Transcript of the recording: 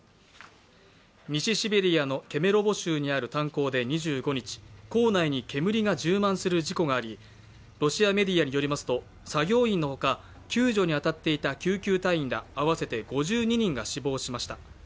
西シベリアのケメロボ州にある炭鉱で２５日、坑内に煙が充満する事故があり、ロシアメディアによりますと、作業員のほか、救助に当たっていた救急隊員ら合わせて５２人が死亡しました。